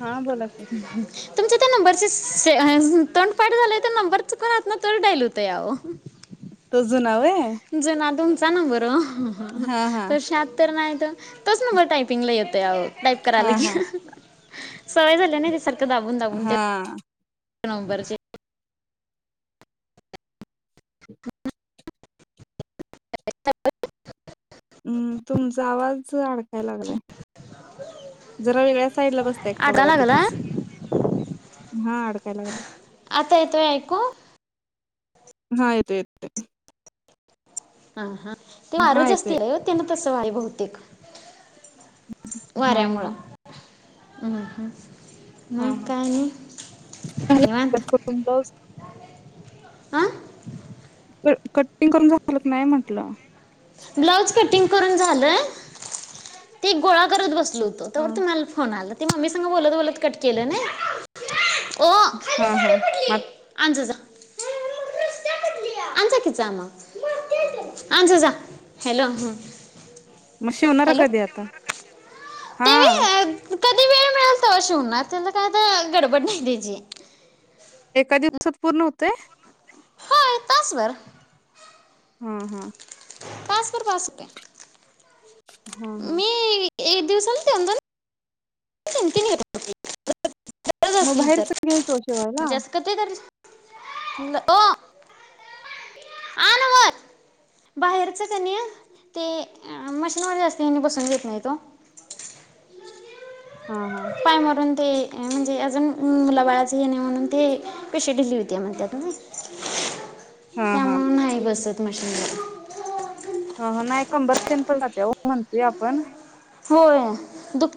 हा बोला की. तुमच्यात त्या नंबरचीच स्स तोंड पाठ झालं तो नंबर पण हातन तोच डालत होतय अहो. तो जुना व्हय जनादून चाना बर [unintelligible] हा हा तो शहात्तर नाय [unintelligible] तोच नंबर टाइपिंगला येतय आहो टाइप करा हा लागलंय हा की सवय झाल्या ना त्या सारखं दाबून दाबून ते हा. नंबरचे [inaudible] हूं तुमचा आवाज अडकायला लागलाय जरा वेगळ्याच साईडला बसताय का आता बघा लागला तिथच हा अडकाय लागलाय त्ता येतोय ऐकू हा येतोय येतोय. हा हा ते हा आरजस येतोय केलंय ओ त्यांन तस व्हालय बहुतेक हा वाऱ्यामुळं हं हू हा हा [unintelligible] आ क क कटिंग करून झालं का नाय म्हटलं ब्लाऊज कटिंग करून झालंय ते गोळा करत बस लो होतो हा तवर तुम्हाला फोन आला ते मम्मी संग बोलत बोलत कट केलं नय हा हा मं आत [inaudible] आण जा की जा मग मग ते दे आण जा जा हॅलो ह म शिवणारा कधी आता हा ते व्हय, अं, कधी वेळ मिळल तवा शिवणार त्याल काय आता गडबड नाय त्याजी एका दिवसात पूर्ण होतय. होय तासभर हा हा. तासभर बास की. हा हा. एक दिवसला ते दोन [inaudible] मग तर बाहेरच घ्यायच वो शिवायला. म्हणजे असं कधी तर ल वो आन वर बाहेरच कनी ते मशीनमध्ये जास्त वणी बसून घेत नाही वो हा हा. पाय मारून ते. म्हणजे अजून मुला बाळाचं हे नाही म्हणून ते पिशवी ढीली होतिया म्हणत्यात तुम्ही हम हा. मशीन ह ह नाही कंबर तेन पण जातीया हो म्हणतोय आपण होय.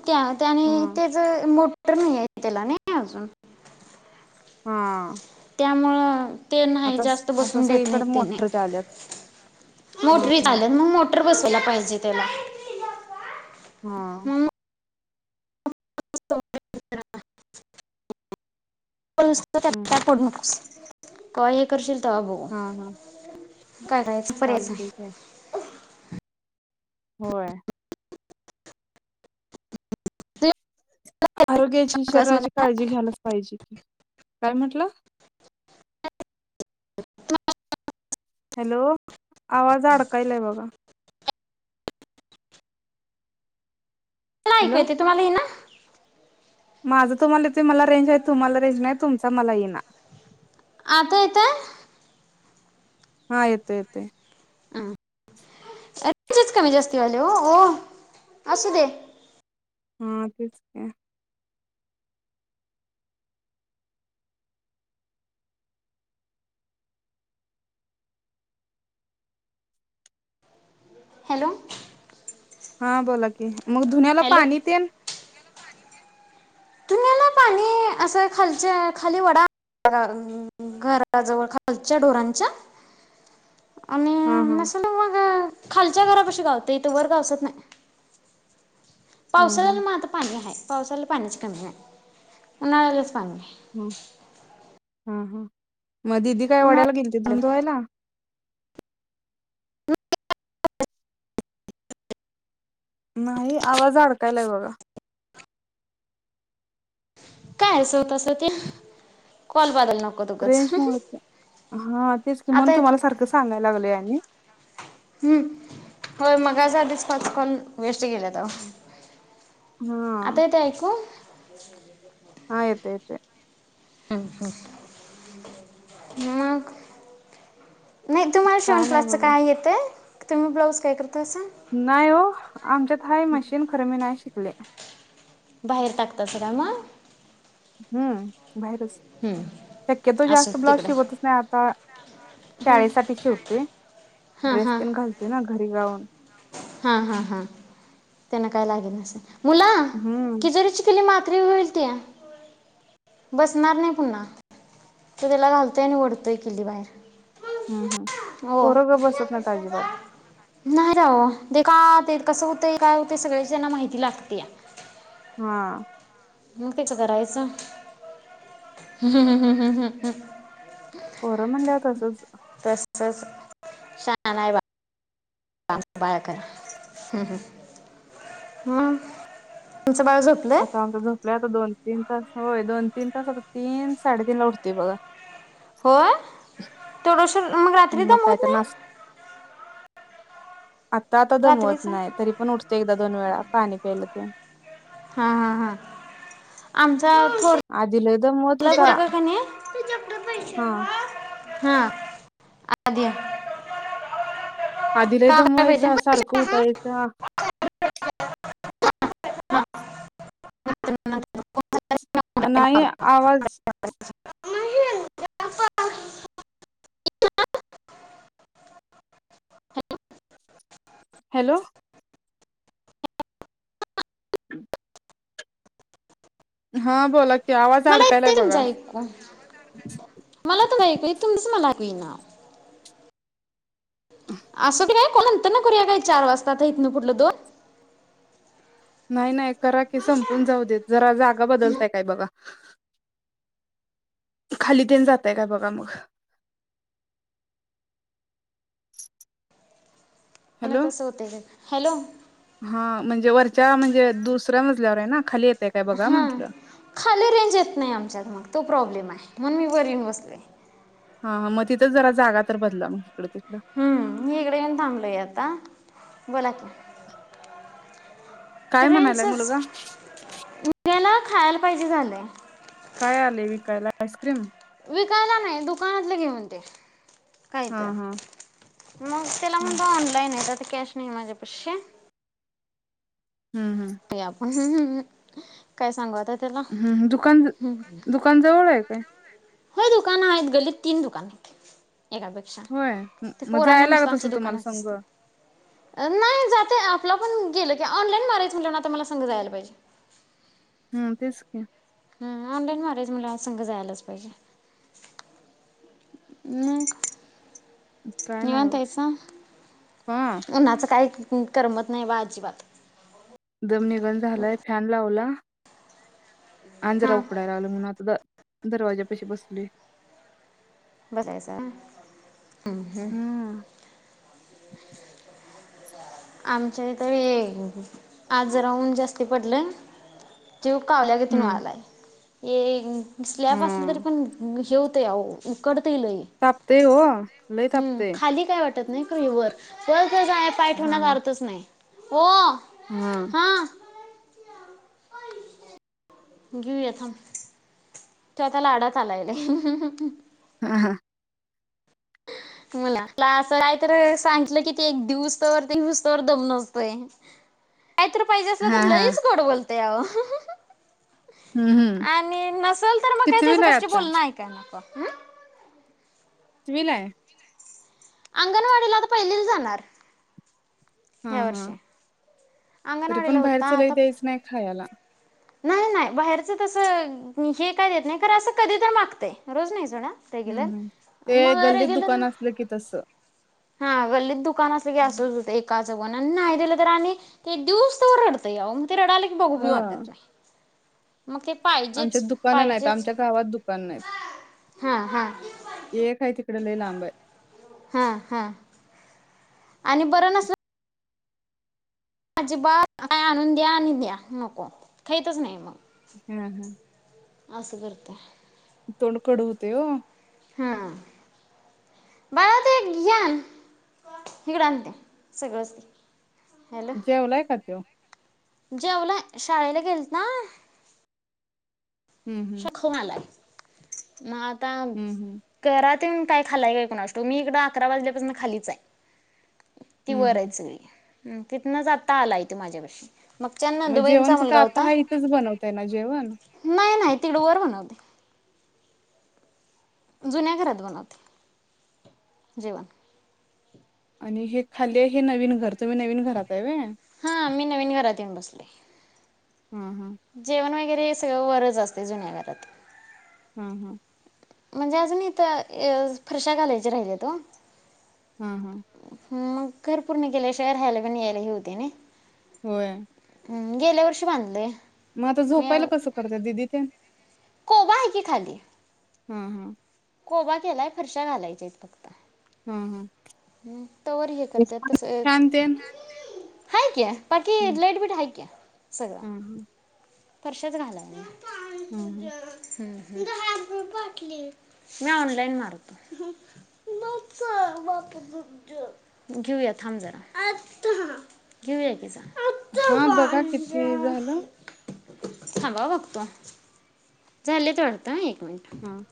त्या त्याने हम्म त्याच मोठ. [unintelligible] त्याला नाही अजून हा. त्यामुळं ते नाही आता स- जास्त आता बसून देत नाहीत सगळीकडे त्यांनी मोटरच्या आल्यात हा मोटरी हा झाल मग मोटर बसुन ते [unintelligible] पाहिजे त्याला हा. मग [inaudible] हम्म [unintelligible] काय हे करशील तवा बघु हा हा काय रायच पर्यायच चालते की नाय. होय. [inaudible] आरोग्याची क्लास मला शरीराची काळजी घ्यायलाच पाहिजे. काय म्हटलं. [inaudible] हॅलो आवाज अडकायलाय बघा. मला ऐकू हॅलो येतय तुम्हाला यईना. माझं तुम्हाला येतोय मला रेंज हाय. तुम्हाला रेंज नाय तुमचा मला येई ना. आता येतोय. हा येतोय येतोय. [unintelligible] कमी जास्ती ओ हो असू दे. हा तेच की. हॅलो. हा बोला की. मग धुन्याला हॅलो पाणी तेन धुण्याला पाणी असं खालच्या खाली वडा [unintelligible] घराजवळ खालच्या डोरांच्या. आणि हा हा नसल मग खाल च्या घरा पशी काय होतय ईथ वर पाऊस येत नाय. हा हा पावसाळ्याला म आता पाणी हाय पावसाला पाणीच उन्हाळ्यालाच पाणी नाही. [inaudible] मग दिदी काय वड्याला गेलती उन्हाळ्या धुनधुवायला? नाही आवाज अडकायलाय बघा. काय आहे स्वतः साठी कॉल बदल नको उगच. रेंज मुळचे हा तेच की म्हणून आता येत तुम्हाला सारखं सांगायला लागलेय आणि हम्म होय मग आज आधीच पाच कॉल वेस्ट गेलेत अहो. हा आता येतय ऐकू [inaudible] हा येतय येतय. मग. नाही तुम्हाला शिवण काय नाही क्लासचं काय येतंय? तुम्ही ब्लाऊज काय कर नाहीवो आमच्यात हाय मशीन खर मी नाय शिकले. बाहेर टाकतासा काय म? हम्म. बाहेरच शक्यतो असो जास्त ब्लाउज तिकडे शिवतच नाही आता शाळेसाठी शिवतोय हां ड्रेस तेन घालतोय ना घरी गाऊन हा हा हा त्यांना काय लागेल नसेल. मुला हम्म तिजोरीचि किल्ली मा री होईल की बसणार नाही पुन्हा. तो त्याला घालतोय आणि ओढतोय किल्ली बाहेर. हम्म हम् हो पोर गबसत नाहीत अजिबात. नाही राव ते का ते कसं होतंय काय होत सगळ्याची त्यांना माहिती लागतीया. हा. मकीच करायच ह्् हम् हम्म हम्म हम् पोर मणल्यावर तसंच. तच शान आहे वा बाया ह आता आमचा झोपलाय आता दोन तीन तास होय दोन तीन तास आता तीन साडेतीन ला उठतेय बघा. होय! तेढ [unintelligible] मगं काय तर नास आता आता दमवत रात्रीचा नाही तरी पण उठते एकदा दोन वेळा पाणी प्यायलं. [unintelligible] हा हा हा आमचं. आधी लय दमवत होता हा [unintelligible] हा आधी. आधी लई का काय पाहिजे दमवायचा सारखं उठायचा. ह [unintelligible] नाही आवाज. [unintelligible] हॅलो. [unintelligible] हा बोला की आवाज आड येत तुमचं ऐकू मला तुमचं ऐकू तुमचं मला. येईना. असं बी नाही कॉल नंतर करूय, चार वाजतात हितल फूडल दोन. नाही नाही. करा की संपून जाऊ देतत. जरा जागा बदलताय काय बघा. खाली तेन जातय का बघा मग, बघूया हॅलो तसं होतया का हॅलो. हा म्हणजे वरच्या म्हणजे दुसऱ्या मजल्यावर आहे ना खाली- काय बघा हा म्हंटलं खाली रेंज येत नाही आमच्यात मग तो प्रॉब्लेम आहे. म्हणुन मी वर येऊन बसते. हा हा मग तिथंच जरा जागा तर बदला मगं. हम्म मी इकडे येऊन थांबलोय आता. बोला आता. काय म्हणायलाय मुलगा. मुलग्याला खायला पाहिजे झालंय. काय आले विकायला आईस्क्रीम,. विकायला नाही दुकानातले घेऊन दे. काय हा तर हा मग त्याला ह म्हण ऑनलाईन आहे. कॅश नाही माझे पशी. हम्म हम्म. काय सांगू आता. त्याला हम्म दुकान दुकान जवळ आहे. काय? हो दुकानं आहेत. गल्लीत तीन दुकान आहेत. एकापेक्षा होय म- ते मग पोराना जायला नुसत लागत आमच्या असेल तुम्हाला दुकानाच संघ दिसते नाही जाते आपल आपण. पण गेल की ऑनलाईन मारायच म्हनल्यावर आता मला संग जायला पाहिजे. हम्म तेच की. ह ऑनलाईन मारायच म्हणण्यावर मला संघ जायलाच पाहिजे मग काय नाही निवांत बघा हाईसा. हा उन्हाचं काय? करमत नाही बा अजिबात दम निघन झालाय फॅन लावला. आणि जरा हां उकडायला लागलं आता म्हणून दरवाज्यापाशी बसले. बसलायस होय. हम ह. हम्म आमच्या इथ वे जीव कावल्या किती हम्म नळालाय- ये स्लॅब असलं तरी हम्म पण हे होतय. ते आ उकड तापतय ओ लई हम्म तापतय. खाली काय नाही वर कोणाला अर्थच नाही. हो. हम्म. घेऊया थांब तो आता लाडात आलाय लय. हा हा मला तला असं काय तर सांगितलं कि ते एक दिवुस तवर ते घिवुसतवर दम नसतोय. काय तर पाहिजे असलं हा तर हा लईच गोड बोल. ते अहो हम्म हम्म आणि नसल तर मग काही त्याच्या कितवीला आहे गोष्टी आता बोलणं ऐकाय नको. कितवीलाय? अंगणवाडीला आता पहिलीला जाणार. हा ह्या हा वर्षी तरी अंगणवाडीला पण होता बाहेरच लय आता द्यायचं नाही खायाला. नाही नाही बाहेरच तस हे काय देत नाही. असं कधी तर मागतय रोज नाही सोडा. ते हम्म गेले हम्म ते मग गल्लीत रेग्युलर दुकान असलं की तसं हा गल्लीत दुकान असल की असंच हुतय एका अं. नाई दिलं तर आणि ते दिवुसतवर रडतय अवो ते रडाल की बघु बी वाटत हा नाय आमच्यात दुकानं नाहीत. पाहिजेच आमच्या गावात दुकानं नाहीत. हा हा एक हाय तिकड लय लांब हाय. हां हां आणि बरं नसत. अजिबात काय आणून द्या आणि द्या नको. खाईतच नाई. अं असं करताय. तोंड कडु हुतय वो! हां. बाळा ते एक घेआन हिकडआण ते सगळंच. जेवलाय का त्यो? जेवलाय. शाळेला गेलता- हम्म हम्म शखमलाय मात. काम हम्म हम्म करात हूं. काय खालाय काय कुणास ठाउक? मी इकडं अकरा वाजल्यापासून खालीच हाय. ती वर हम्म हम्म. हाईत सगळी. तिथनंच आता आलाय तो माझ्याबशी. म जेवण कुठं? आता हाय इथंच बनवताय ना जेवण. नाही नाही तिकडं वर बनवतेय. जुन्या घरात बनवतेय. जेवण. आणि हे खाली हाय हे नवीन घर, तुम्ही नवीन घरात हाय व्हय. हां मी नवीन घरात येऊन बसलेय. हा हा जेवण वगैरे सगळं वरच असतय जुन्या घरात. ह हं म्हणजे अजुन इथं अ फरशा घालायच्या राहिल्यात वो. हं हं मग घर पूर्ण केल्याशिवाय, राहायला पण यायला हे हुतय नने व्हय. हं गेल्या वर्षी बांधलय. म आता झोपायला कसं करत्यात दिदी तेण? कोबा आहे की खाली हं हं कोबा केलाय, फरशा घालायच्या हाइत. हूं हूं तवर हे करत्यात तसं फॅन तेन? हाय की. बाकी, हम्म लाईट बीट हाय की सगळं. हा हा फरशारच घालाया हम्म हम्म. मी ऑनलाईन मारतो, घेऊया थांब जरा घेऊया की जा. हा बघा किती झालं? थांबा हा बघतो, झालेत वाटतं एक, हा. [unintelligible]